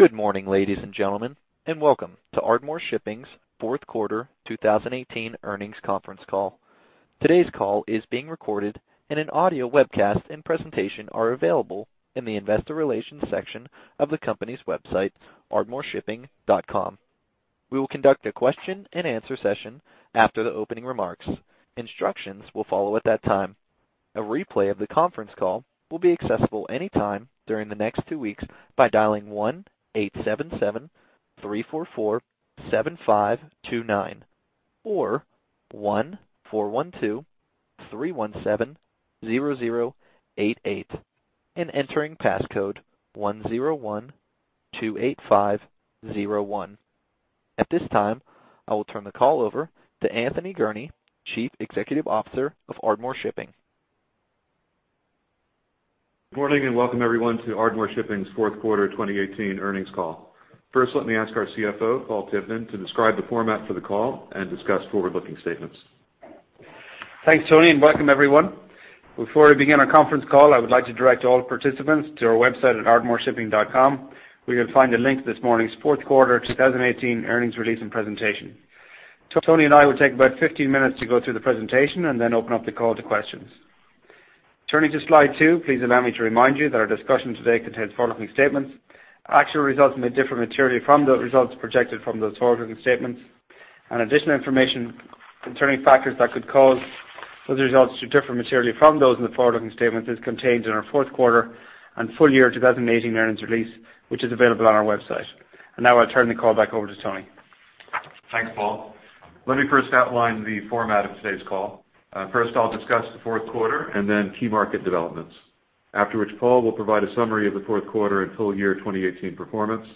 Good morning, ladies and gentlemen, and welcome to Ardmore Shipping's fourth quarter 2018 earnings conference call. Today's call is being recorded, and an audio webcast and presentation are available in the investor relations section of the company's website, ardmoreshipping.com. We will conduct a question and answer session after the opening remarks. Instructions will follow at that time. A replay of the conference call will be accessible anytime during the next two weeks by dialing 1-877-344-7529 or 1-412-317-0088 and entering passcode 10128501. At this time, I will turn the call over to Anthony Gurnee, Chief Executive Officer of Ardmore Shipping. Good morning and welcome, everyone, to Ardmore Shipping's fourth quarter 2018 earnings call. First, let me ask our CFO, Paul Tivnan, to describe the format for the call and discuss forward-looking statements. Thanks, Tony, and welcome, everyone. Before we begin our conference call, I would like to direct all participants to our website at ardmoreshipping.com. We can find the link to this morning's fourth quarter 2018 earnings release and presentation. Tony and I will take about 15 minutes to go through the presentation and then open up the call to questions. Turning to slide two, please allow me to remind you that our discussion today contains forward-looking statements. Actual results may differ materially from the results projected in those forward-looking statements, and additional information concerning factors that could cause those results to differ materially from those in the forward-looking statements is contained in our fourth quarter and full year 2018 earnings release, which is available on our website. And now I'll turn the call back over to Tony. Thanks, Paul. Let me first outline the format of today's call. First, I'll discuss the fourth quarter and then key market developments, after which Paul will provide a summary of the fourth quarter and full year 2018 performance,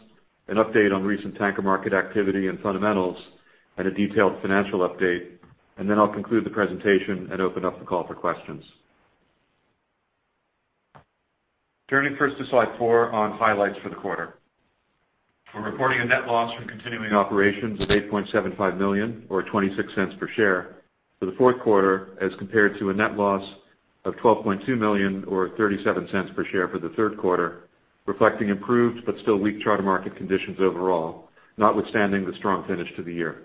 an update on recent tanker market activity and fundamentals, and a detailed financial update. Then I'll conclude the presentation and open up the call for questions. Turning first to slide four on highlights for the quarter. We're reporting a net loss from continuing operations of $8.75 million, or $0.26 per share, for the fourth quarter as compared to a net loss of $12.2 million, or $0.37 per share, for the third quarter, reflecting improved but still weak charter market conditions overall, notwithstanding the strong finish to the year.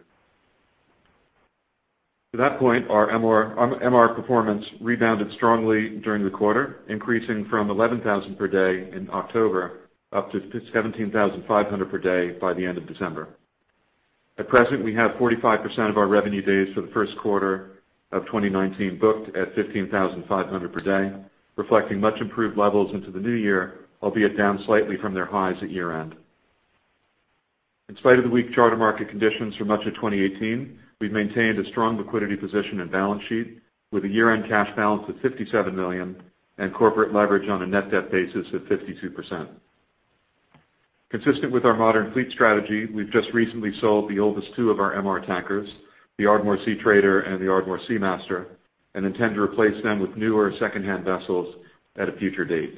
To that point, our MR performance rebounded strongly during the quarter, increasing from 11,000 per day in October up to 17,500 per day by the end of December. At present, we have 45% of our revenue days for the first quarter of 2019 booked at 15,500 per day, reflecting much improved levels into the new year, albeit down slightly from their highs at year-end. In spite of the weak charter market conditions for much of 2018, we've maintained a strong liquidity position in balance sheet, with a year-end cash balance of $57 million and corporate leverage on a net debt basis of 52%. Consistent with our modern fleet strategy, we've just recently sold the oldest two of our MR tankers, the Ardmore Seatrader and the Ardmore Seamaster, and intend to replace them with newer secondhand vessels at a future date.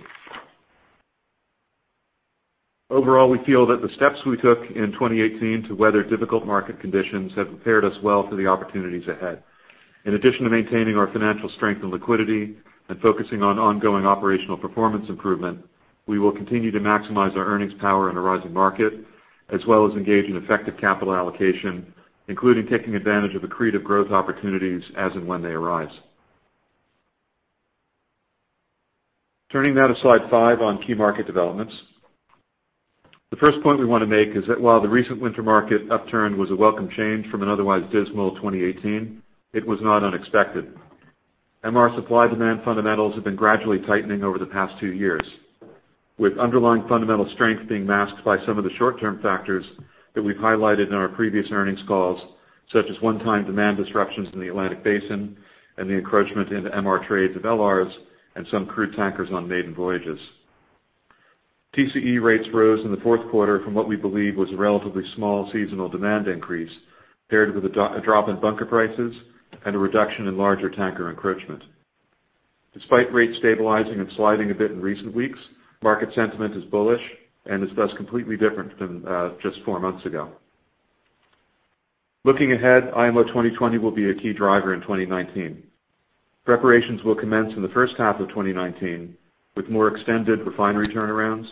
Overall, we feel that the steps we took in 2018 to weather difficult market conditions have prepared us well for the opportunities ahead. In addition to maintaining our financial strength and liquidity and focusing on ongoing operational performance improvement, we will continue to maximize our earnings power in a rising market as well as engage in effective capital allocation, including taking advantage of accretive growth opportunities as and when they arise. Turning now to slide five on key market developments. The first point we want to make is that while the recent winter market upturn was a welcome change from an otherwise dismal 2018, it was not unexpected. MR supply-demand fundamentals have been gradually tightening over the past two years, with underlying fundamental strength being masked by some of the short-term factors that we've highlighted in our previous earnings calls, such as one-time demand disruptions in the Atlantic Basin and the encroachment into MR trades of LRs and some crude tankers on maiden voyages. TCE rates rose in the fourth quarter from what we believe was a relatively small seasonal demand increase paired with a drop in bunker prices and a reduction in larger tanker encroachment. Despite rates stabilizing and sliding a bit in recent weeks, market sentiment is bullish and is thus completely different than just four months ago. Looking ahead, IMO 2020 will be a key driver in 2019. Preparations will commence in the first half of 2019 with more extended refinery turnarounds,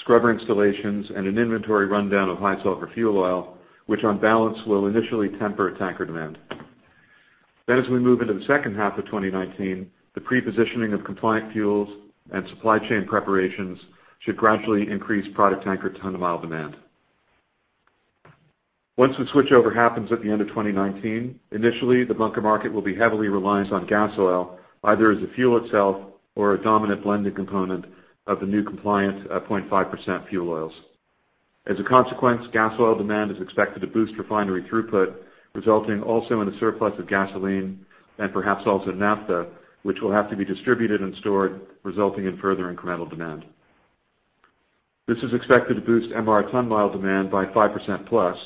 scrubber installations, and an inventory rundown of high-sulfur fuel oil, which on balance will initially temper tanker demand. Then, as we move into the second half of 2019, the pre-positioning of compliant fuels and supply chain preparations should gradually increase product tanker ton-mile demand. Once the switchover happens at the end of 2019, initially, the bunker market will be heavily reliant on gas oil, either as the fuel itself or a dominant blending component of the new compliant 0.5% fuel oils. As a consequence, gas oil demand is expected to boost refinery throughput, resulting also in a surplus of gasoline and perhaps also naphtha, which will have to be distributed and stored, resulting in further incremental demand. This is expected to boost MR ton-mile demand by 5%+,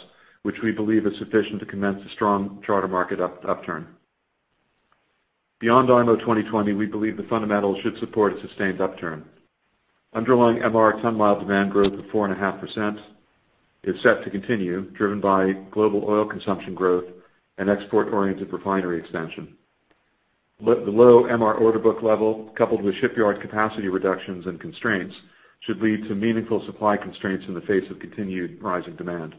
which we believe is sufficient to commence a strong charter market upturn. Beyond IMO 2020, we believe the fundamentals should support a sustained upturn. Underlying MR ton-mile demand growth of 4.5% is set to continue, driven by global oil consumption growth and export-oriented refinery expansion. The low MR order book level, coupled with shipyard capacity reductions and constraints, should lead to meaningful supply constraints in the face of continued rising demand.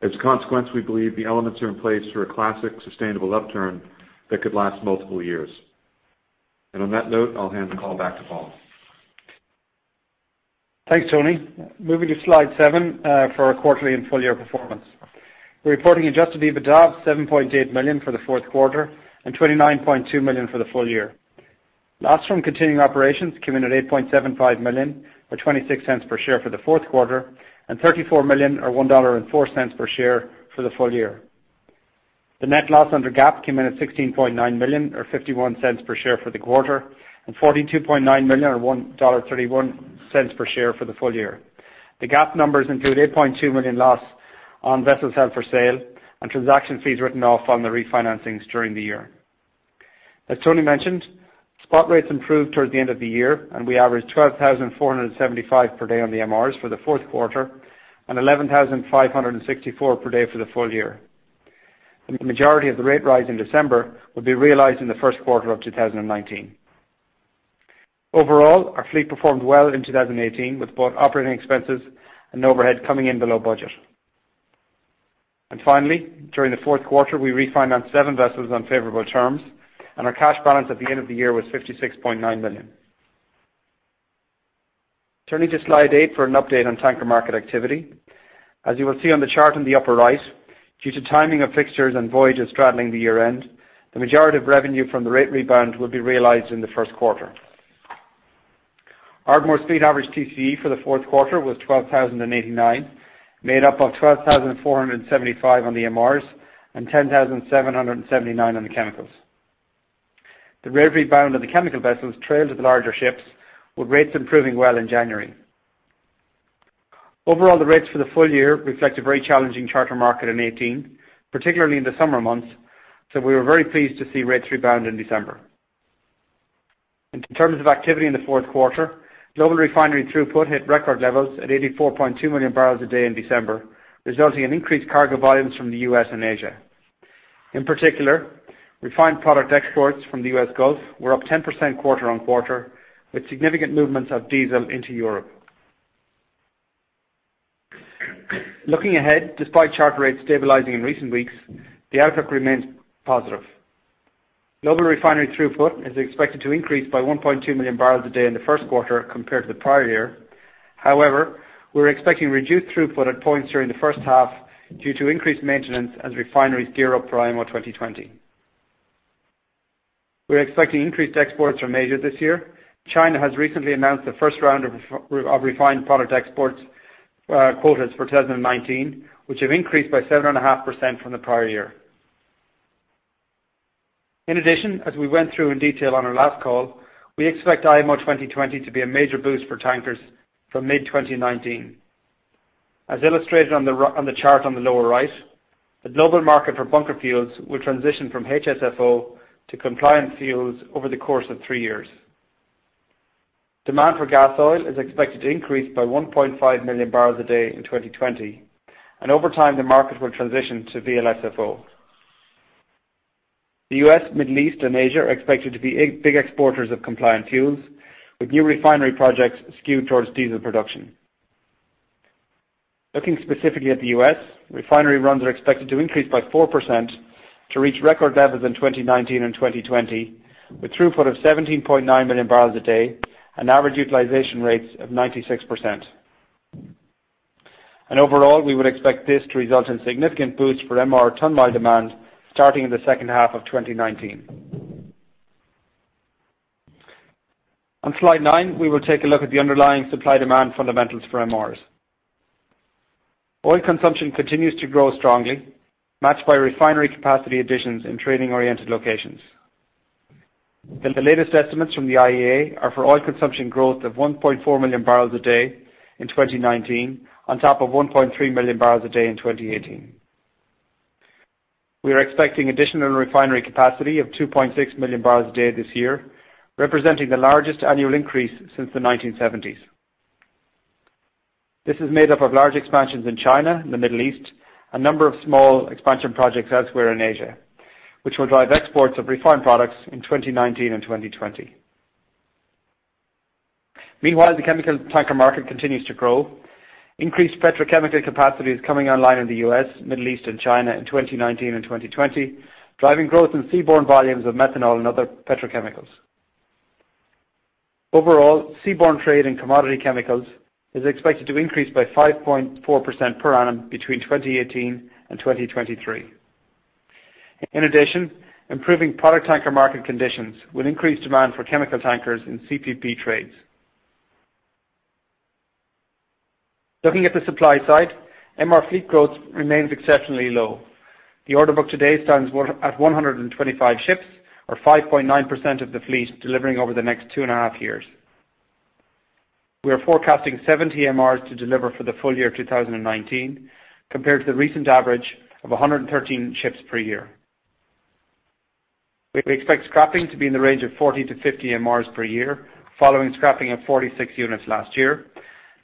As a consequence, we believe the elements are in place for a classic sustainable upturn that could last multiple years. And on that note, I'll hand the call back to Paul. Thanks, Tony. Moving to slide seven for our quarterly and full year performance. We're reporting Adjusted EBITDA of $7.8 million for the fourth quarter and $29.2 million for the full year. Loss from continuing operations came in at $8.75 million, or $0.26 per share, for the fourth quarter, and $34 million, or $1.04 per share, for the full year. The net loss under GAAP came in at $16.9 million, or $0.51 per share, for the quarter, and $42.9 million, or $1.31 per share, for the full year. The GAAP numbers include $8.2 million loss on vessels held for sale and transaction fees written off on the refinancings during the year. As Tony mentioned, spot rates improved towards the end of the year, and we averaged 12,475 per day on the MRs for the fourth quarter and 11,564 per day for the full year. The majority of the rate rise in December would be realized in the first quarter of 2019. Overall, our fleet performed well in 2018, with both operating expenses and overhead coming in below budget. Finally, during the fourth quarter, we refinanced seven vessels on favorable terms, and our cash balance at the end of the year was $56.9 million. Turning to slide eight for an update on tanker market activity. As you will see on the chart in the upper right, due to timing of fixtures and voyages straddling the year-end, the majority of revenue from the rate rebound would be realized in the first quarter. Ardmore's fleet average TCE for the fourth quarter was 12,089, made up of 12,475 on the MRs and 10,779 on the chemicals. The rate rebound of the chemical vessels trailed to the larger ships, with rates improving well in January. Overall, the rates for the full year reflected very challenging charter market in 2018, particularly in the summer months, so we were very pleased to see rates rebound in December. In terms of activity in the fourth quarter, global refinery throughput hit record levels at 84.2 million barrels a day in December, resulting in increased cargo volumes from the U.S. and Asia. In particular, refined product exports from the U.S. Gulf were up 10% quarter-over-quarter, with significant movements of diesel into Europe. Looking ahead, despite charter rates stabilizing in recent weeks, the outlook remains positive. Global refinery throughput is expected to increase by 1.2 million barrels a day in the first quarter compared to the prior year. However, we're expecting reduced throughput at points during the first half due to increased maintenance as refineries gear up for IMO 2020. We're expecting increased exports from Asia this year. China has recently announced the first round of refined product exports quotas for 2019, which have increased by 7.5% from the prior year. In addition, as we went through in detail on our last call, we expect IMO 2020 to be a major boost for tankers from mid-2019. As illustrated on the chart on the lower right, the global market for bunker fuels will transition from HSFO to compliant fuels over the course of three years. Demand for gas oil is expected to increase by 1.5 million barrels a day in 2020, and over time, the market will transition to VLSFO. The U.S., Middle East, and Asia are expected to be big exporters of compliant fuels, with new refinery projects skewed towards diesel production. Looking specifically at the U.S., refinery runs are expected to increase by 4% to reach record levels in 2019 and 2020, with throughput of 17.9 million barrels a day and average utilization rates of 96%. Overall, we would expect this to result in significant boosts for MR ton-mile demand starting in the second half of 2019. On slide nine, we will take a look at the underlying supply-demand fundamentals for MRs. Oil consumption continues to grow strongly, matched by refinery capacity additions in trading-oriented locations. The latest estimates from the IEA are for oil consumption growth of 1.4 million barrels a day in 2019 on top of 1.3 million barrels a day in 2018. We are expecting additional refinery capacity of 2.6 million barrels a day this year, representing the largest annual increase since the 1970s. This is made up of large expansions in China, the Middle East, and a number of small expansion projects elsewhere in Asia, which will drive exports of refined products in 2019 and 2020. Meanwhile, the chemical tanker market continues to grow. Increased petrochemical capacity is coming online in the U.S., Middle East, and China in 2019 and 2020, driving growth in seaborne volumes of methanol and other petrochemicals. Overall, seaborne trade in commodity chemicals is expected to increase by 5.4% per annum between 2018 and 2023. In addition, improving product tanker market conditions will increase demand for chemical tankers in CPP trades. Looking at the supply side, MR fleet growth remains exceptionally low. The order book today stands at 125 ships, or 5.9% of the fleet delivering over the next two and a half years. We are forecasting 70 MRs to deliver for the full year 2019 compared to the recent average of 113 ships per year. We expect scrapping to be in the range of 40-50 MRs per year, following scrapping of 46 units last year.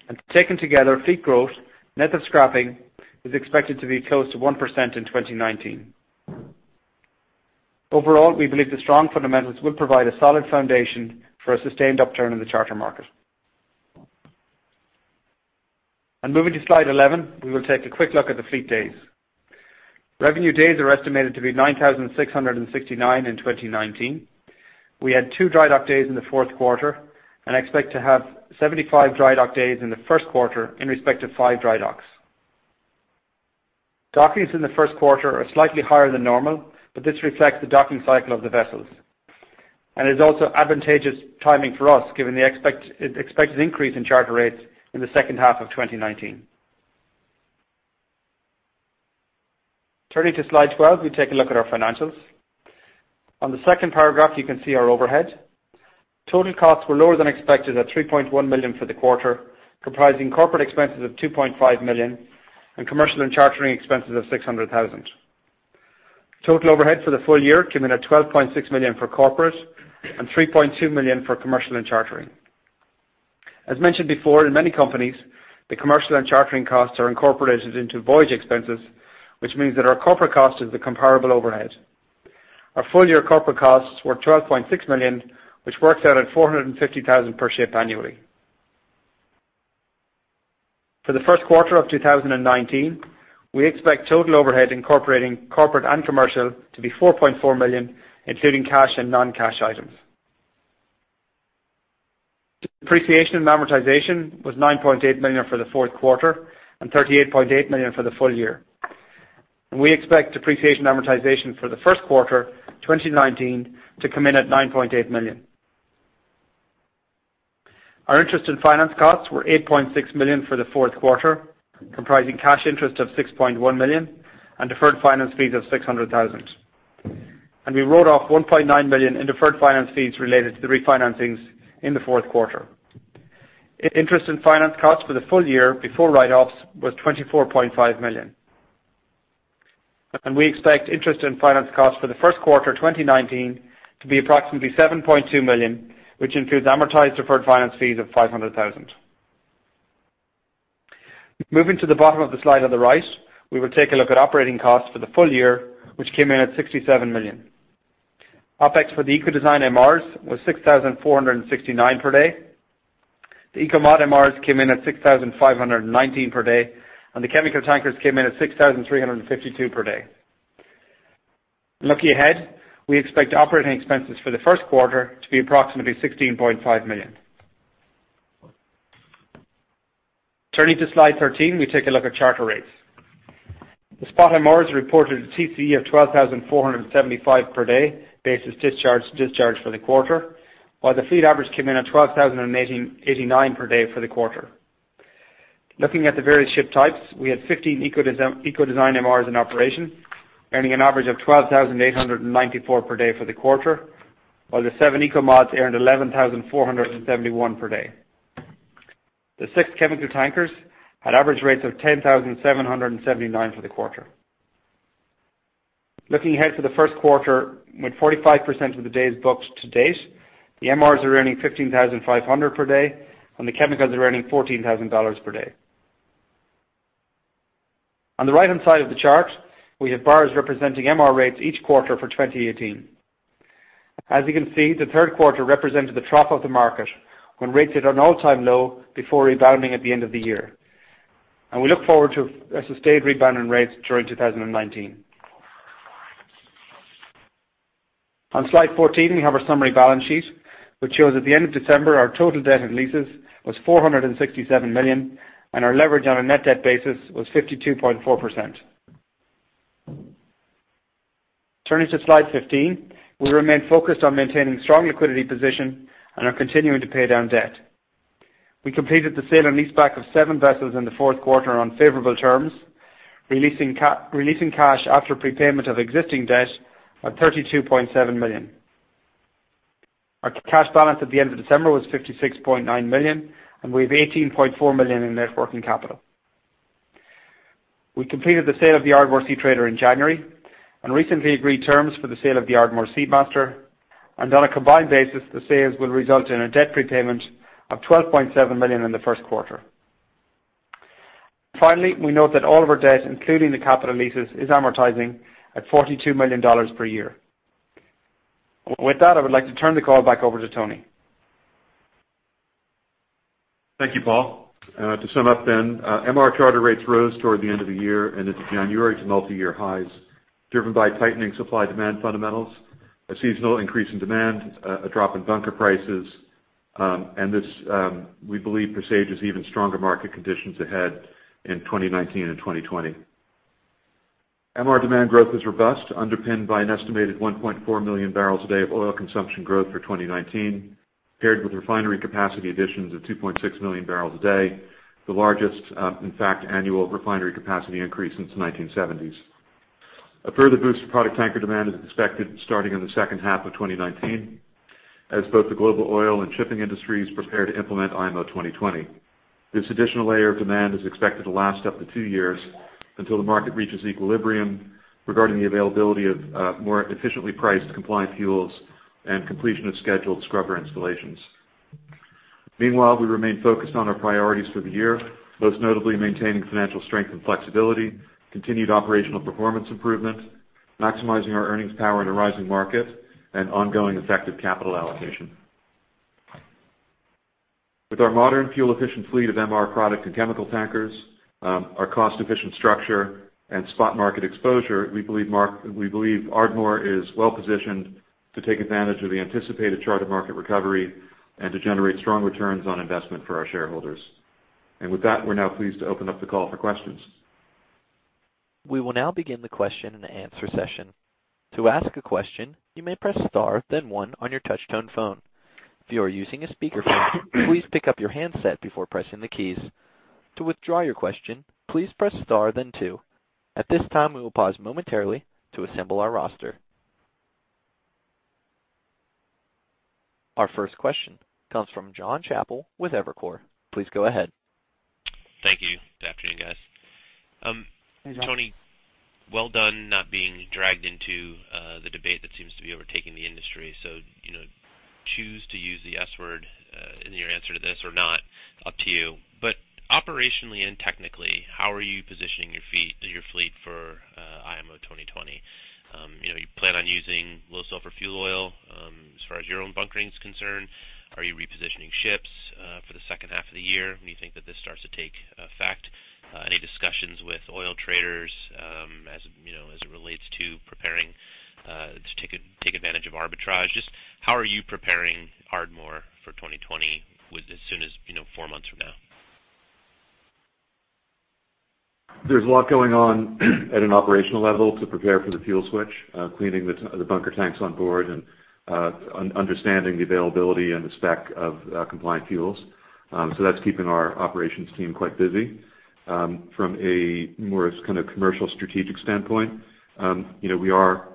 And taken together, fleet growth net of scrapping is expected to be close to 1% in 2019. Overall, we believe the strong fundamentals will provide a solid foundation for a sustained upturn in the charter market. Moving to slide 11, we will take a quick look at the fleet days. Revenue days are estimated to be 9,669 in 2019. We had 25 dry dock days in the fourth quarter and expect to have 75 dry dock days in the first quarter in respect of 5 dry docks. Drydockings in the first quarter are slightly higher than normal, but this reflects the drydocking cycle of the vessels. It is also advantageous timing for us given the expected increase in charter rates in the second half of 2019. Turning to slide 12, we take a look at our financials. On the second paragraph, you can see our overhead. Total costs were lower than expected at $3.1 million for the quarter, comprising corporate expenses of $2.5 million and commercial and chartering expenses of $600,000. Total overhead for the full year came in at $12.6 million for corporate and $3.2 million for commercial and chartering. As mentioned before, in many companies, the commercial and chartering costs are incorporated into voyage expenses, which means that our corporate cost is the comparable overhead. Our full year corporate costs were $12.6 million, which works out at $450,000 per ship annually. For the first quarter of 2019, we expect total overhead incorporating corporate and commercial to be $4.4 million, including cash and non-cash items. Depreciation and amortization was $9.8 million for the fourth quarter and $38.8 million for the full year. We expect depreciation and amortization for the first quarter, 2019, to come in at $9.8 million. Our interest and finance costs were $8.6 million for the fourth quarter, comprising cash interest of $6.1 million and deferred finance fees of $600,000. We wrote off $1.9 million in deferred finance fees related to the refinancings in the fourth quarter. Interest and finance costs for the full year before write-offs was $24.5 million. We expect interest and finance costs for the first quarter, 2019, to be approximately $7.2 million, which includes amortized deferred finance fees of $500,000. Moving to the bottom of the slide on the right, we will take a look at operating costs for the full year, which came in at $67 million. OPEX for the Eco-Design MRs was $6,469 per day. The Eco-Mod MRs came in at $6,519 per day, and the chemical tankers came in at $6,352 per day. Looking ahead, we expect operating expenses for the first quarter to be approximately $16.5 million. Turning to slide 13, we take a look at charter rates. The spot MRs reported a TCE of $12,475 per day basis discharge to discharge for the quarter, while the fleet average came in at $12,089 per day for the quarter. Looking at the various ship types, we had 15 Eco-Design MRs in operation, earning an average of $12,894 per day for the quarter, while the seven Eco-Mods earned $11,471 per day. The six chemical tankers had average rates of $10,779 for the quarter. Looking ahead for the first quarter, with 45% of the days booked to date, the MRs are earning $15,500 per day, and the chemicals are earning $14,000 per day. On the right-hand side of the chart, we have bars representing MR rates each quarter for 2018. As you can see, the third quarter represented the trough of the market when rates hit an all-time low before rebounding at the end of the year. We look forward to a sustained rebound in rates during 2019. On slide 14, we have our summary balance sheet, which shows at the end of December, our total debt and leases was $467 million, and our leverage on a net debt basis was 52.4%. Turning to slide 15, we remain focused on maintaining strong liquidity position and are continuing to pay down debt. We completed the sale and leaseback of seven vessels in the fourth quarter on favorable terms, releasing cash after prepayment of existing debt of $32.7 million. Our cash balance at the end of December was $56.9 million, and we have $18.4 million in net working capital. We completed the sale of the Ardmore Seatrader in January and recently agreed terms for the sale of the Ardmore Seamaster. And on a combined basis, the sales will result in a debt prepayment of $12.7 million in the first quarter. Finally, we note that all of our debt, including the capital leases, is amortizing at $42 million per year. With that, I would like to turn the call back over to Tony. Thank you, Paul. To sum up then, MR charter rates rose toward the end of the year, and it's January to multi-year highs, driven by tightening supply-demand fundamentals, a seasonal increase in demand, a drop in bunker prices. We believe per se it gives even stronger market conditions ahead in 2019 and 2020. MR demand growth is robust, underpinned by an estimated 1.4 million barrels a day of oil consumption growth for 2019, paired with refinery capacity additions of 2.6 million barrels a day, the largest, in fact, annual refinery capacity increase since the 1970s. A further boost to product tanker demand is expected starting in the second half of 2019 as both the global oil and shipping industries prepare to implement IMO 2020. This additional layer of demand is expected to last up to two years until the market reaches equilibrium regarding the availability of more efficiently priced compliant fuels and completion of scheduled scrubber installations. Meanwhile, we remain focused on our priorities for the year, most notably maintaining financial strength and flexibility, continued operational performance improvement, maximizing our earnings power in a rising market, and ongoing effective capital allocation. With our modern, fuel-efficient fleet of MR product and chemical tankers, our cost-efficient structure, and spot market exposure, we believe Ardmore is well-positioned to take advantage of the anticipated charter market recovery and to generate strong returns on investment for our shareholders. And with that, we're now pleased to open up the call for questions. We will now begin the question and answer session. To ask a question, you may press star, then one, on your touch-tone phone. If you are using a speakerphone, please pick up your handset before pressing the keys. To withdraw your question, please press star, then two. At this time, we will pause momentarily to assemble our roster. Our first question comes from John Chappell with Evercore. Please go ahead. Thank you. Good afternoon, guys. Tony, well done not being dragged into the debate that seems to be overtaking the industry. So choose to use the S-word in your answer to this or not, up to you. But operationally and technically, how are you positioning your fleet for IMO 2020? You plan on using low-sulfur fuel oil as far as your own bunkering is concerned. Are you repositioning ships for the second half of the year when you think that this starts to take effect? Any discussions with oil traders as it relates to taking advantage of arbitrage? Just how are you preparing Ardmore for 2020 as soon as four months from now? There's a lot going on at an operational level to prepare for the fuel switch, cleaning the bunker tanks on board, and understanding the availability and the spec of compliant fuels. So that's keeping our operations team quite busy. From a more kind of commercial strategic standpoint, we are,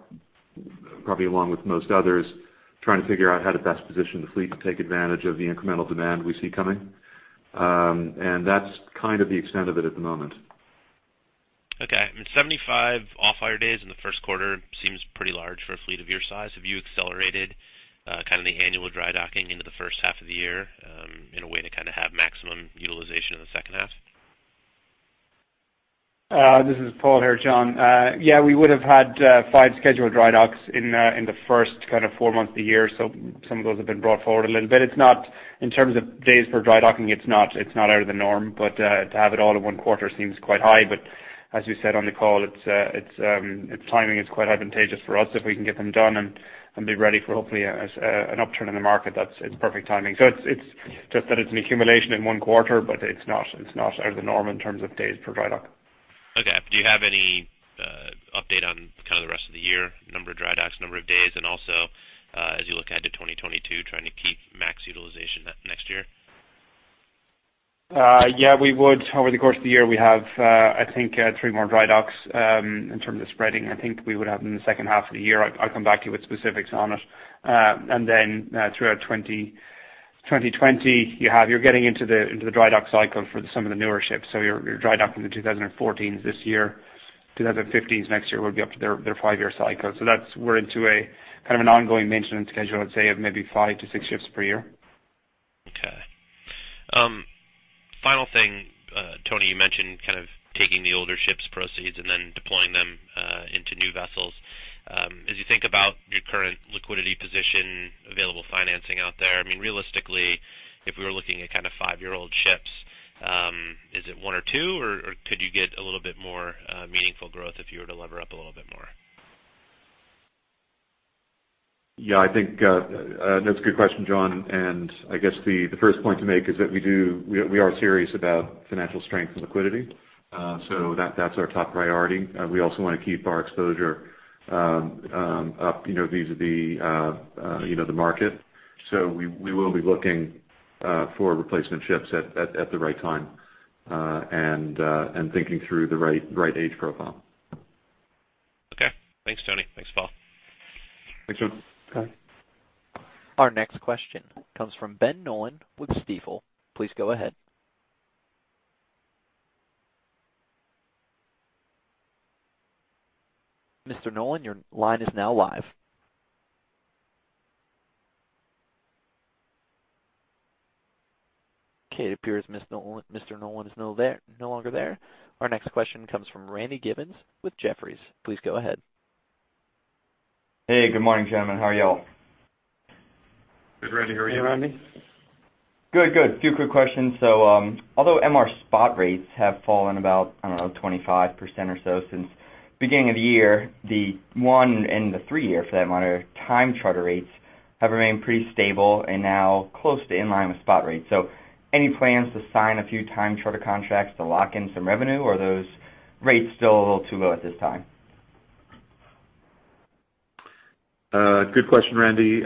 probably along with most others, trying to figure out how to best position the fleet to take advantage of the incremental demand we see coming. And that's kind of the extent of it at the moment. Okay. 75 off-hire days in the first quarter seems pretty large for a fleet of your size. Have you accelerated kind of the annual dry docking into the first half of the year in a way to kind of have maximum utilization in the second half? This is Paul here, John. Yeah, we would have had 5 scheduled dry docks in the first kind of four months of the year. So some of those have been brought forward a little bit. In terms of days per dry docking, it's not out of the norm. But to have it all in one quarter seems quite high. But as we said on the call, timing is quite advantageous for us if we can get them done and be ready for, hopefully, an upturn in the market. It's perfect timing. So it's just that it's an accumulation in one quarter, but it's not out of the norm in terms of days per dry dock. Okay. Do you have any update on kind of the rest of the year, number of dry docks, number of days, and also as you look ahead to 2022, trying to keep max utilization next year? Yeah, we would. Over the course of the year, we have, I think, three more dry docks in terms of spreading. I think we would have them in the second half of the year. I'll come back to you with specifics on it. And then throughout 2020, you're getting into the dry dock cycle for some of the newer ships. So you're dry docking the 2014s this year. 2015s next year will be up to their five year cycle. So we're into kind of an ongoing maintenance schedule, I'd say, of maybe five to six ships per year. Okay. Final thing, Tony, you mentioned kind of taking the older ships' proceeds and then deploying them into new vessels. As you think about your current liquidity position, available financing out there, I mean, realistically, if we were looking at kind of five-year-old ships, is it one or two, or could you get a little bit more meaningful growth if you were to lever up a little bit more? Yeah, I think that's a good question, John. I guess the first point to make is that we are serious about financial strength and liquidity. That's our top priority. We also want to keep our exposure up vis-à-vis the market. We will be looking for replacement ships at the right time and thinking through the right age profile. Okay. Thanks, Tony. Thanks, Paul. Thanks, John. Our next question comes from Ben Nolan with Stifel. Please go ahead. Mr. Nolan, your line is now live. Okay. It appears Mr. Nolan is no longer there. Our next question comes from Randy Givens with Jefferies. Please go ahead. Hey. Good morning, gentlemen. How are y'all? Good. Randy, how are you? Hey, Randy. Good, good. A few quick questions. So although MR spot rates have fallen about, I don't know, 25% or so since the beginning of the year, the one year and the three year, for that matter, time charter rates have remained pretty stable and now close to in line with spot rates. So any plans to sign a few time charter contracts to lock in some revenue, or are those rates still a little too low at this time? Good question, Randy.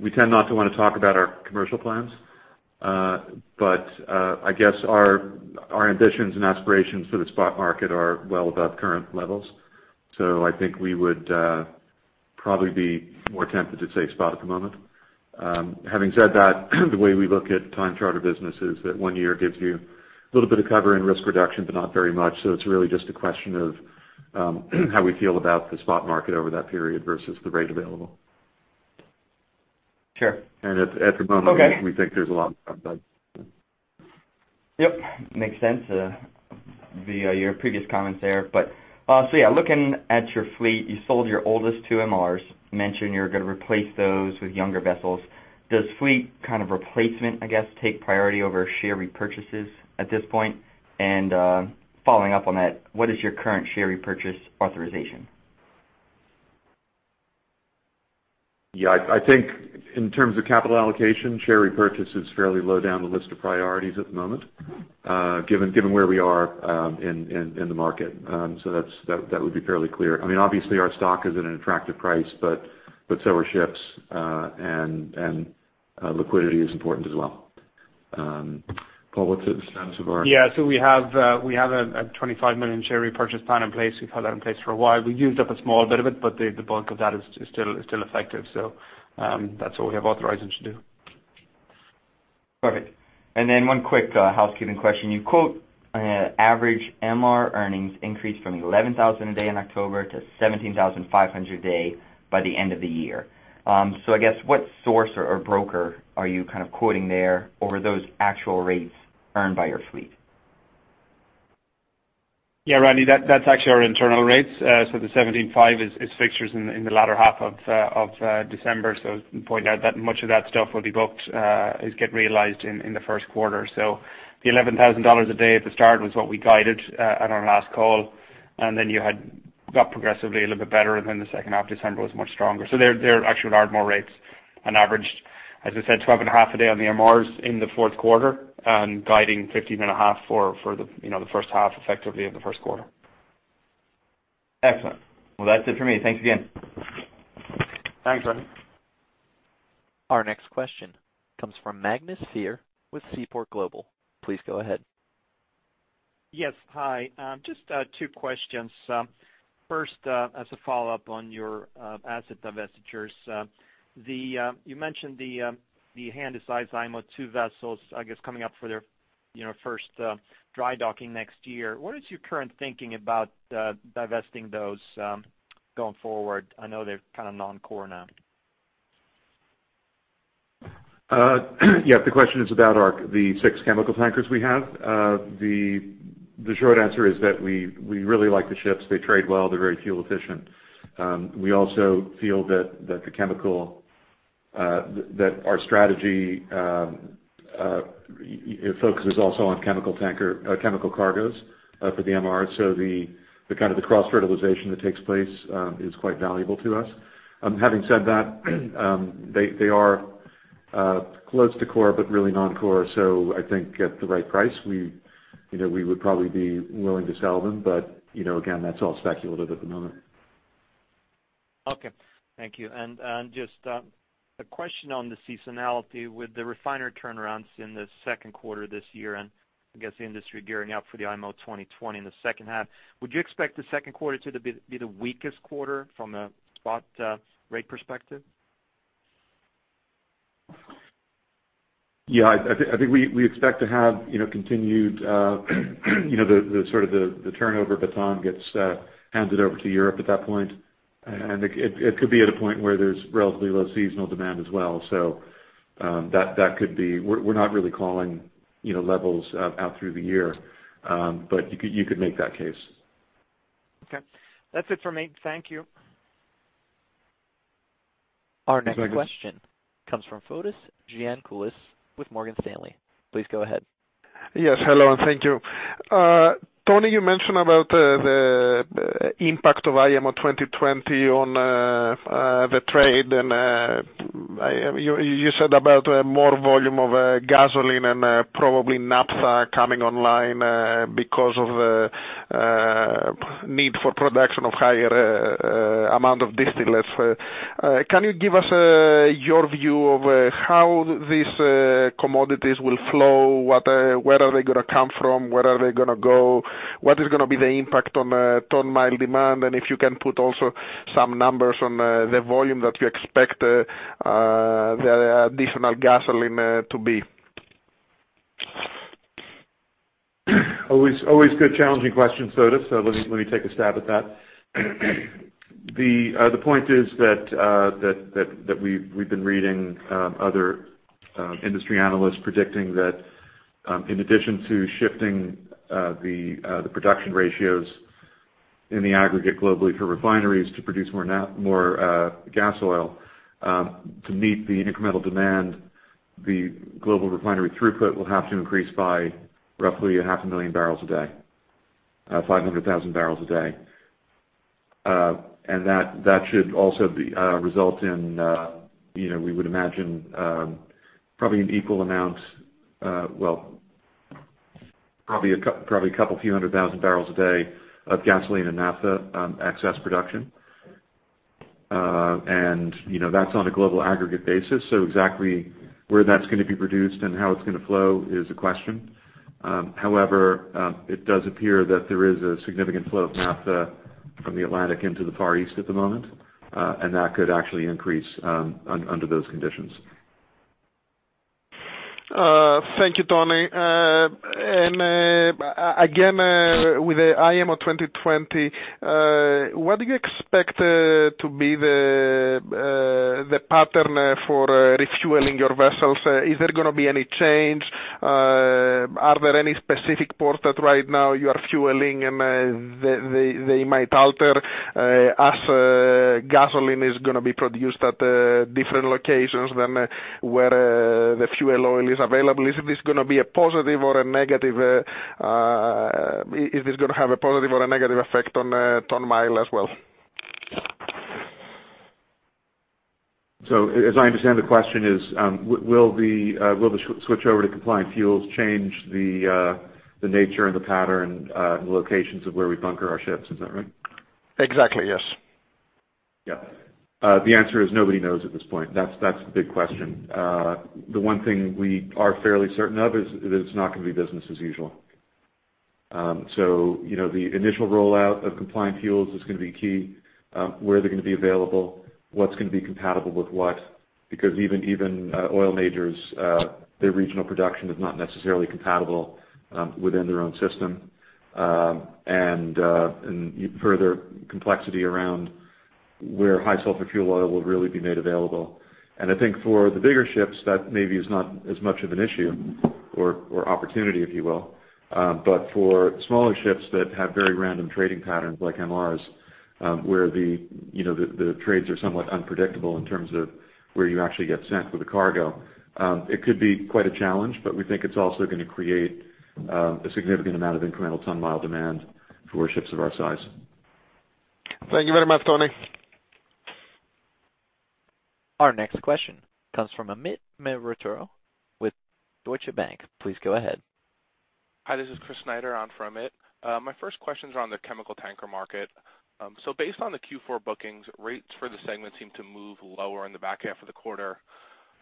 We tend not to want to talk about our commercial plans. But I guess our ambitions and aspirations for the spot market are well above current levels. So I think we would probably be more tempted to say spot at the moment. Having said that, the way we look at time charter business is that one year gives you a little bit of cover and risk reduction, but not very much. So it's really just a question of how we feel about the spot market over that period versus the rate available. And at the moment, we think there's a lot more upside. Yep. Makes sense via your previous comments there. But so yeah, looking at your fleet, you sold your oldest two MRs, mentioned you're going to replace those with younger vessels. Does fleet kind of replacement, I guess, take priority over share repurchases at this point? And following up on that, what is your current share repurchase authorization? Yeah, I think in terms of capital allocation, share repurchase is fairly low down the list of priorities at the moment given where we are in the market. So that would be fairly clear. I mean, obviously, our stock is at an attractive price, but so are ships. And liquidity is important as well. Paul, what's the status of our? Yeah. We have a $25 million share repurchase plan in place. We've had that in place for a while. We've used up a small bit of it, but the bulk of that is still effective. That's all we have authorization to do. Perfect. Then one quick housekeeping question. You quote an average MR earnings increase from $11,000 a day in October to $17,500 a day by the end of the year. I guess what source or broker are you kind of quoting there over those actual rates earned by your fleet? Yeah, Randy, that's actually our internal rates. So, the $17,500 is fixtures in the latter half of December. So, point out that much of that stuff will be booked is getting realized in the first quarter. So, the $11,000 a day at the start was what we guided on our last call. And then you got progressively a little bit better, and then the second half of December was much stronger. So, they're actually Ardmore rates, on average, as I said, $12,500 a day on the MRs in the fourth quarter, guiding $15,500 for the first half, effectively, of the first quarter. Excellent. Well, that's it for me. Thanks again. Thanks, Randy. Our next question comes from Magnus Fyhr with Seaport Global. Please go ahead. Yes. Hi. Just two questions. First, as a follow-up on your asset divestitures, you mentioned the handysize IMO II vessels, I guess, coming up for their first dry docking next year. What is your current thinking about divesting those going forward? I know they're kind of non-core now. Yeah, the question is about the six chemical tankers we have. The short answer is that we really like the ships. They trade well. They're very fuel-efficient. We also feel that the chemical that our strategy focuses also on chemical cargoes for the MR. So kind of the cross-fertilization that takes place is quite valuable to us. Having said that, they are close to core but really non-core. So I think at the right price, we would probably be willing to sell them. But again, that's all speculative at the moment. Okay. Thank you. Just a question on the seasonality with the refinery turnarounds in the second quarter this year and I guess the industry gearing up for the IMO 2020 in the second half. Would you expect the second quarter to be the weakest quarter from a spot rate perspective? Yeah, I think we expect to have continued sort of the turnover baton gets handed over to Europe at that point. And it could be at a point where there's relatively low seasonal demand as well. So that could be. We're not really calling levels out through the year, but you could make that case. Okay. That's it for me. Thank you. Our next question comes from Fotis Giannakoulis with Morgan Stanley. Please go ahead. Yes. Hello, and thank you. Tony, you mentioned about the impact of IMO 2020 on the trade. You said about more volume of gasoline and probably naphtha coming online because of the need for production of higher amount of distillates. Can you give us your view of how these commodities will flow? Where are they going to come from? Where are they going to go? What is going to be the impact on ton-mile demand? And if you can put also some numbers on the volume that you expect the additional gasoline to be. Always good, challenging question, Fotis. So let me take a stab at that. The point is that we've been reading other industry analysts predicting that in addition to shifting the production ratios in the aggregate globally for refineries to produce more gasoil, to meet the incremental demand, the global refinery throughput will have to increase by roughly a half a million barrels a day, 500,000 barrels a day. And that should also result in, we would imagine, probably an equal amount well, probably a couple few 100,000 barrels a day of gasoline and naphtha excess production. And that's on a global aggregate basis. So exactly where that's going to be produced and how it's going to flow is a question. However, it does appear that there is a significant flow of naphtha from the Atlantic into the Far East at the moment. That could actually increase under those conditions. Thank you, Tony. Again, with the IMO 2020, what do you expect to be the pattern for refueling your vessels? Is there going to be any change? Are there any specific ports that right now you are fueling, and they might alter as gasoline is going to be produced at different locations than where the fuel oil is available? Is this going to be a positive or a negative? Is this going to have a positive or a negative effect on ton-mile as well? So, as I understand, the question is, will the switch over to compliant fuels change the nature and the pattern and the locations of where we bunker our ships? Is that right? Exactly. Yes. Yeah. The answer is nobody knows at this point. That's the big question. The one thing we are fairly certain of is that it's not going to be business as usual. So the initial rollout of compliant fuels is going to be key. Where they're going to be available, what's going to be compatible with what? Because even oil majors, their regional production is not necessarily compatible within their own system. And further complexity around where high-sulfur fuel oil will really be made available. And I think for the bigger ships, that maybe is not as much of an issue or opportunity, if you will. But for smaller ships that have very random trading patterns like MRs, where the trades are somewhat unpredictable in terms of where you actually get sent with the cargo, it could be quite a challenge. But we think it's also going to create a significant amount of incremental Ton-Mile Demand for ships of our size. Thank you very much, Tony. Our next question comes from Amit Mehrotra with Deutsche Bank. Please go ahead. Hi. This is Chris Snyder calling for Amit. My first questions are on the chemical tanker market. So based on the Q4 bookings, rates for the segment seem to move lower in the back half of the quarter.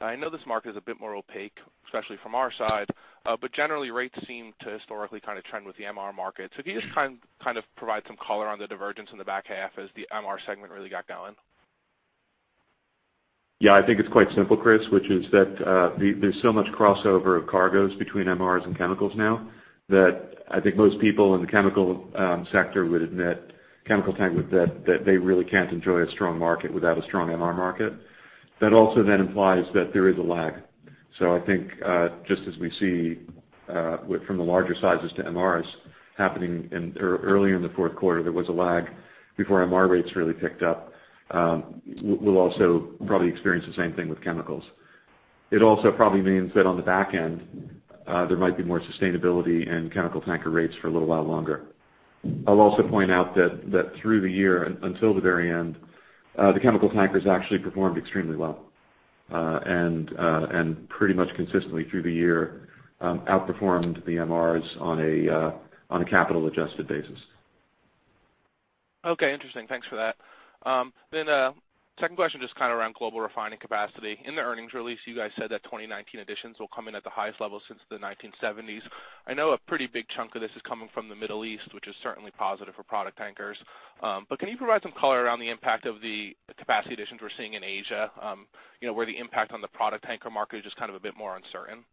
I know this market is a bit more opaque, especially from our side. But generally, rates seem to historically kind of trend with the MR market. So can you just kind of provide some color on the divergence in the back half as the MR segment really got going? Yeah, I think it's quite simple, Chris, which is that there's so much crossover of cargoes between MRs and chemicals now that I think most people in the chemical sector would admit, chemical tankers, that they really can't enjoy a strong market without a strong MR market. That also then implies that there is a lag. So I think just as we see from the larger sizes to MRs happening earlier in the fourth quarter, there was a lag before MR rates really picked up. We'll also probably experience the same thing with chemicals. It also probably means that on the back end, there might be more sustainability in chemical tanker rates for a little while longer. I'll also point out that through the year, until the very end, the chemical tankers actually performed extremely well and pretty much consistently through the year outperformed the MRs on a capital-adjusted basis. Okay. Interesting. Thanks for that. Then second question, just kind of around global refining capacity. In the earnings release, you guys said that 2019 additions will come in at the highest level since the 1970s. I know a pretty big chunk of this is coming from the Middle East, which is certainly positive for product tankers. But can you provide some color around the impact of the capacity additions we're seeing in Asia, where the impact on the product tanker market is just kind of a bit more uncertain?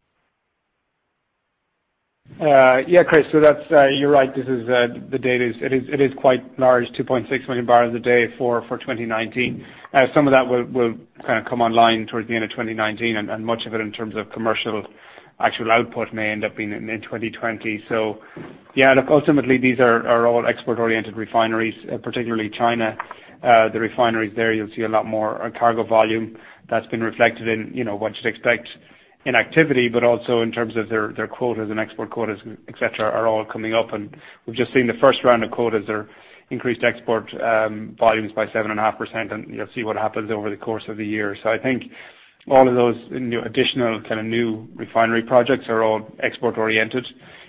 Yeah, Chris. So you're right. The data is quite large, 2.6 million barrels a day for 2019. Some of that will kind of come online towards the end of 2019. And much of it in terms of commercial actual output may end up being in 2020. So yeah, look, ultimately, these are all export-oriented refineries, particularly China. The refineries there, you'll see a lot more cargo volume. That's been reflected in what you'd expect in activity. But also in terms of their quotas, and export quotas, etc., are all coming up. And we've just seen the first round of quotas, their increased export volumes by 7.5%. And you'll see what happens over the course of the year. So I think all of those additional kind of new refinery projects are all export-oriented.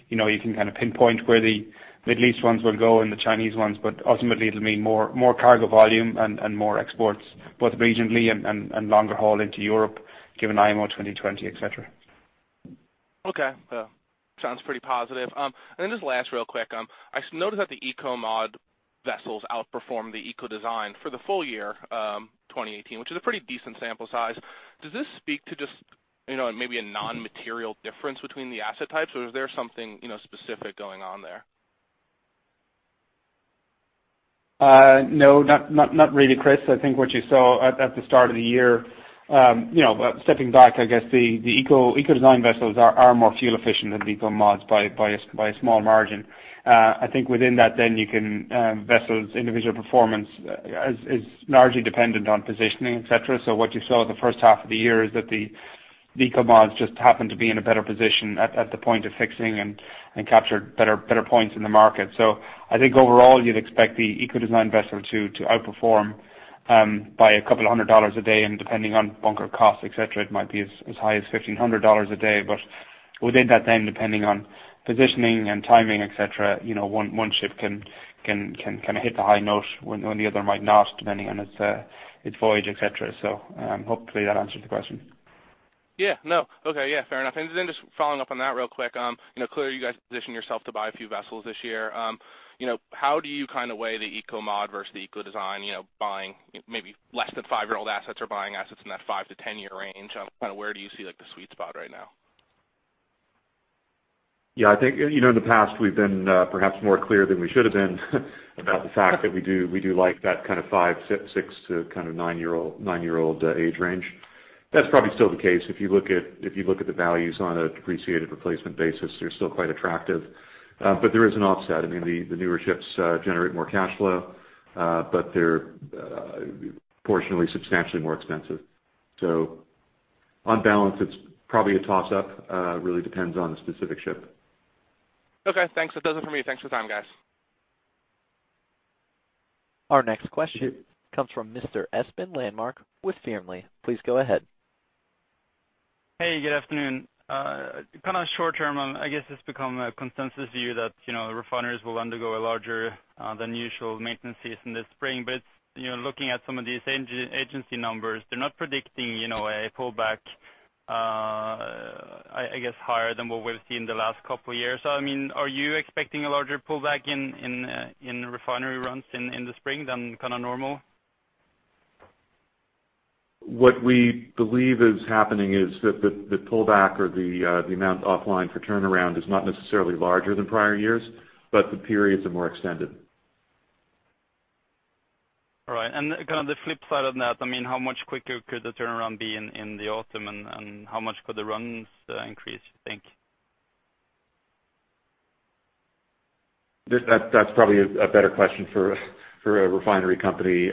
You can kind of pinpoint where the Middle East ones will go and the Chinese ones. But ultimately, it'll mean more cargo volume and more exports, both regionally and longer haul into Europe given IMO 2020, etc. Okay. Sounds pretty positive. And then just last, real quick, I noticed that the Eco-Mod vessels outperformed the Eco-Design for the full year 2018, which is a pretty decent sample size. Does this speak to just maybe a non-material difference between the asset types? Or is there something specific going on there? No, not really, Chris. I think what you saw at the start of the year, stepping back, I guess the Eco-Design vessels are more fuel-efficient than the Eco-Mods by a small margin. I think within that, then, the vessels' individual performance is largely dependent on positioning, etc. So what you saw at the first half of the year is that the Eco-Mods just happened to be in a better position at the point of fixing and captured better points in the market. So I think overall, you'd expect the Eco-Design vessel to outperform by a couple of hundred dollars a day. And depending on bunker cost, etc., it might be as high as $1,500 a day. But within that, then, depending on positioning and timing, etc., one ship can kind of hit the high note when the other might not, depending on its voyage, etc. Hopefully, that answers the question. Yeah. No. Okay. Yeah, fair enough. And then just following up on that real quick, clearly, you guys position yourself to buy a few vessels this year. How do you kind of weigh the Eco-Mod versus the Eco-Design buying maybe less than five year-old assets or buying assets in that five to 10-year range? Kind of where do you see the sweet spot right now? Yeah, I think in the past, we've been perhaps more clear than we should have been about the fact that we do like that kind of five to six to nine-year-old age range. That's probably still the case. If you look at the values on a depreciated replacement basis, they're still quite attractive. But there is an offset. I mean, the newer ships generate more cash flow, but they're proportionally substantially more expensive. So on balance, it's probably a toss-up. It really depends on the specific ship. Okay. Thanks. That does it for me. Thanks for the time, guys. Our next question comes from Mr. Espen Landmark with Fearnley. Please go ahead. Hey. Good afternoon. Kind of short term, I guess it's become a consensus view that refineries will undergo a larger-than-usual maintenance case in the spring. But looking at some of these agency numbers, they're not predicting a pullback, I guess, higher than what we've seen the last couple of years. So I mean, are you expecting a larger pullback in refinery runs in the spring than kind of normal? What we believe is happening is that the pullback or the amount offline for turnaround is not necessarily larger than prior years, but the periods are more extended. All right. And kind of the flip side of that, I mean, how much quicker could the turnaround be in the autumn? And how much could the runs increase, you think? That's probably a better question for a refinery company.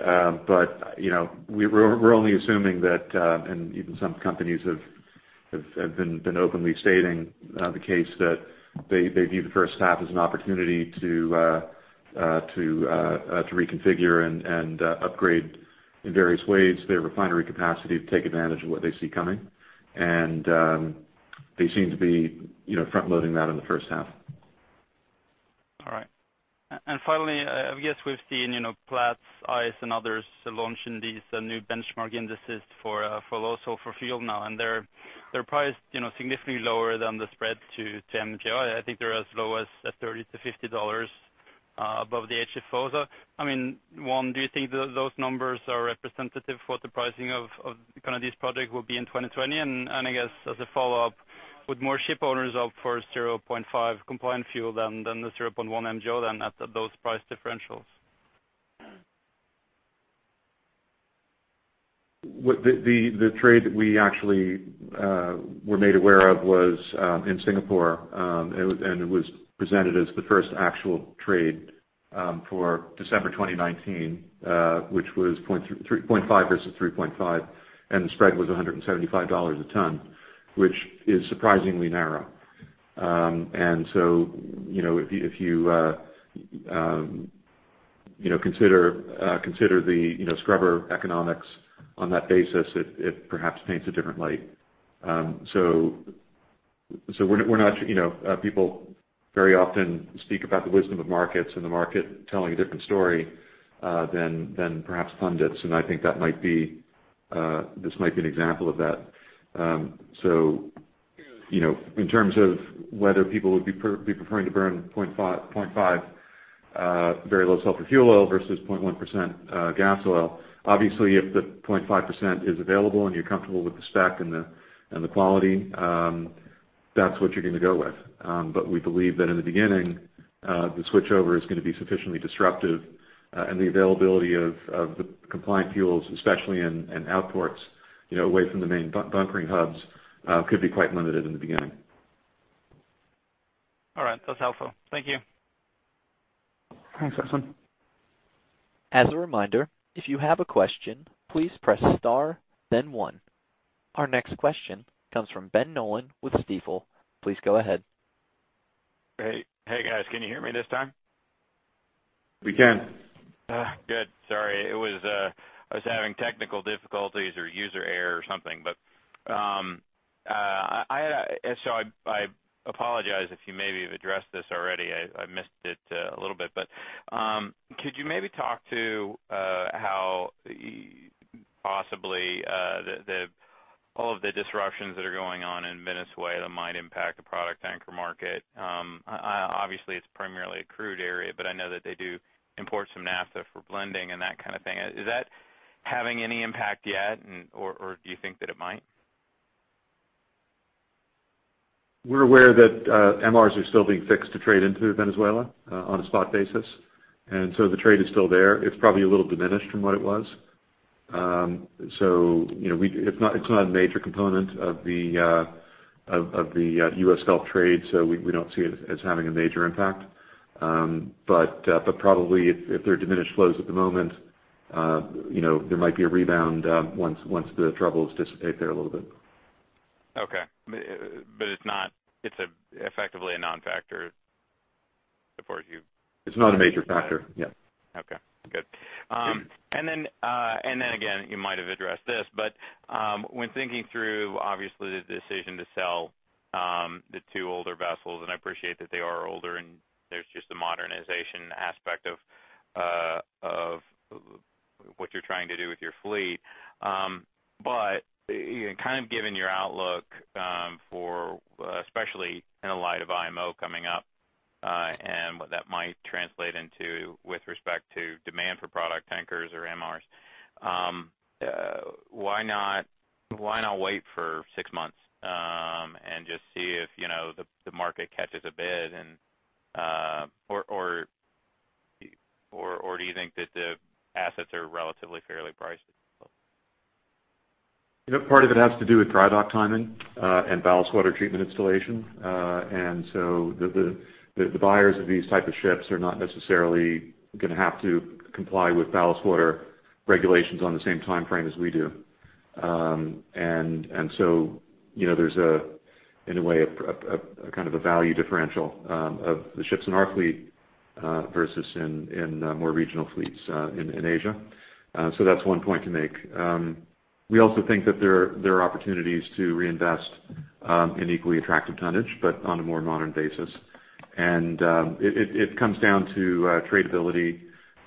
But we're only assuming that and even some companies have been openly stating the case that they view the first half as an opportunity to reconfigure and upgrade in various ways their refinery capacity to take advantage of what they see coming. They seem to be front-loading that in the first half. All right. Finally, I guess we've seen Platts, ICE, and others launching these new benchmark indices also for fuel now. And they're priced significantly lower than the spread to MGO. I think they're as low as $30-$50 above the HFOs. I mean, one, do you think those numbers are representative of what the pricing of kind of these projects will be in 2020? And I guess as a follow-up, would more shipowners opt for 0.5 compliant fuel than the 0.1 MGO then at those price differentials? The trade that we actually were made aware of was in Singapore. It was presented as the first actual trade for December 2019, which was 0.5 versus 3.5. The spread was $175 a ton, which is surprisingly narrow. So if you consider the scrubber economics on that basis, it perhaps paints a different light. So we're not people very often speak about the wisdom of markets and the market telling a different story than perhaps pundits. I think this might be an example of that. So in terms of whether people would be preferring to burn 0.5 very low-sulfur fuel oil versus 0.1% gas oil, obviously, if the 0.5% is available and you're comfortable with the spec and the quality, that's what you're going to go with. But we believe that in the beginning, the switchover is going to be sufficiently disruptive. The availability of the compliant fuels, especially in outports away from the main bunkering hubs, could be quite limited in the beginning. All right. That's helpful. Thank you. Thanks, Espen. As a reminder, if you have a question, please press star, then one. Our next question comes from Ben Nolan with Stifel. Please go ahead. Hey, guys. Can you hear me this time? We can. Good. Sorry. I was having technical difficulties or user error or something. But I apologize if you maybe have addressed this already. I missed it a little bit. But could you maybe talk to how possibly all of the disruptions that are going on in Venezuela might impact the product tanker market? Obviously, it's primarily a crude area. But I know that they do import some naphtha for blending and that kind of thing. Is that having any impact yet? Or do you think that it might? We're aware that MRs are still being fixed to trade into Venezuela on a spot basis. And so the trade is still there. It's probably a little diminished from what it was. So it's not a major component of the U.S. Gulf trade. So we don't see it as having a major impact. But probably if there are diminished flows at the moment, there might be a rebound once the troubles dissipate there a little bit. Okay. But it's effectively a non-factor as far as you? It's not a major factor. Yeah. Okay. Good. And then again, you might have addressed this. But when thinking through, obviously, the decision to sell the two older vessels and I appreciate that they are older. And there's just a modernization aspect of what you're trying to do with your fleet. But kind of given your outlook, especially in the light of IMO coming up and what that might translate into with respect to demand for product tankers or MRs, why not wait for six months and just see if the market catches a bid? Or do you think that the assets are relatively fairly priced? Part of it has to do with dry dock timing and ballast water treatment installation. And so the buyers of these type of ships are not necessarily going to have to comply with ballast water regulations on the same time frame as we do. And so there's, in a way, a kind of a value differential of the ships in our fleet versus in more regional fleets in Asia. So that's one point to make. We also think that there are opportunities to reinvest in equally attractive tonnage, but on a more modern basis. And it comes down to tradability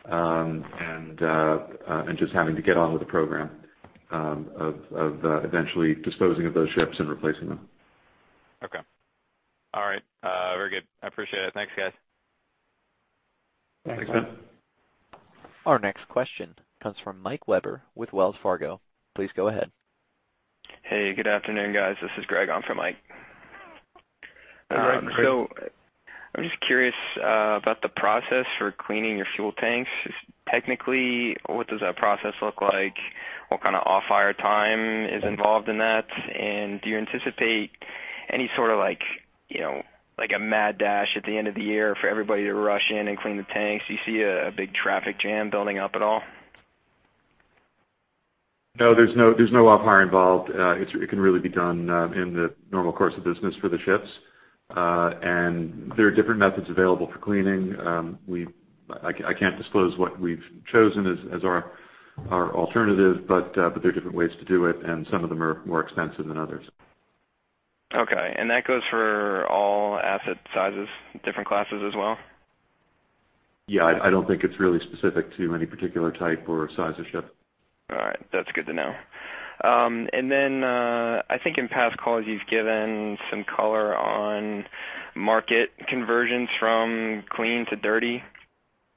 and just having to get on with the program of eventually disposing of those ships and replacing them. Okay. All right. Very good. I appreciate it. Thanks, guys. Thanks, guys. Our next question comes from Mike Webber with Wells Fargo. Please go ahead. Hey. Good afternoon, guys. This is Greg on from Mike. Hey, Greg. I'm just curious about the process for cleaning your fuel tanks. Technically, what does that process look like? What kind of off-hire time is involved in that? And do you anticipate any sort of a mad dash at the end of the year for everybody to rush in and clean the tanks? Do you see a big traffic jam building up at all? No, there's no off-hire involved. It can really be done in the normal course of business for the ships. There are different methods available for cleaning. I can't disclose what we've chosen as our alternative. There are different ways to do it. Some of them are more expensive than others. Okay. And that goes for all asset sizes, different classes as well? Yeah. I don't think it's really specific to any particular type or size of ship. All right. That's good to know. And then I think in past calls, you've given some color on market conversions from clean to dirty.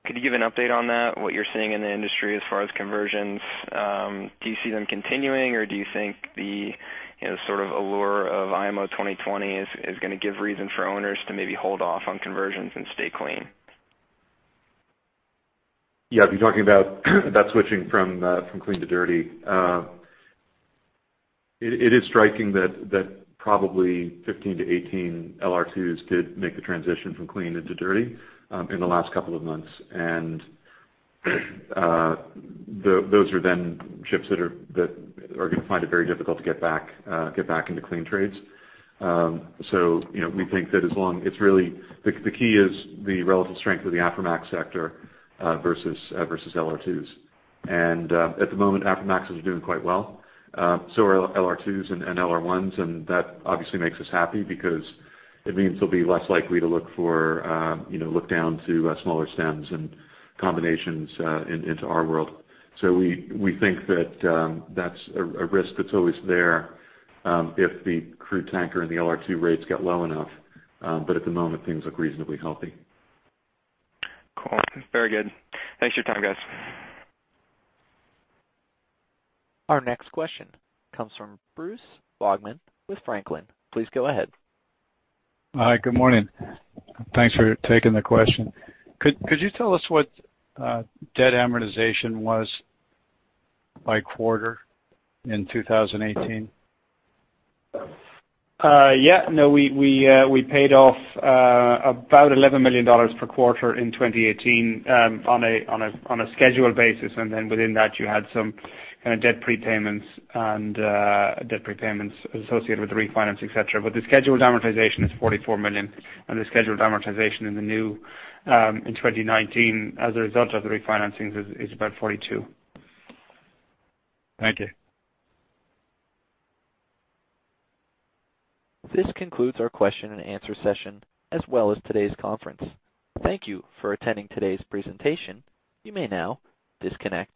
Could you give an update on that, what you're seeing in the industry as far as conversions? Do you see them continuing? Or do you think the sort of allure of IMO 2020 is going to give reason for owners to maybe hold off on conversions and stay clean? Yeah. If you're talking about that switching from clean to dirty, it is striking that probably 15-18 LR2s did make the transition from clean into dirty in the last couple of months. And those are then ships that are going to find it very difficult to get back into clean trades. So we think that as long it's really the key is the relative strength of the Aframax sector versus LR2s. And at the moment, Aframaxes are doing quite well. So are LR2s and LR1s. And that obviously makes us happy because it means they'll be less likely to look down to smaller stems and combinations into our world. So we think that that's a risk that's always there if the crude tanker and the LR2 rates get low enough. But at the moment, things look reasonably healthy. Cool. Very good. Thanks for your time, guys. Our next question comes from Bruce Baughman with Franklin. Please go ahead. Hi. Good morning. Thanks for taking the question. Could you tell us what debt amortization was by quarter in 2018? Yeah. No. We paid off about $11 million per quarter in 2018 on a scheduled basis. Then within that, you had some kind of debt prepayments associated with the refinance, etc. The scheduled amortization is $44 million. The scheduled amortization in 2019 as a result of the refinancings is about $42 million. Thank you. This concludes our question-and-answer session as well as today's conference. Thank you for attending today's presentation. You may now disconnect.